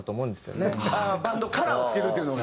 バンドカラーをつけるというのが。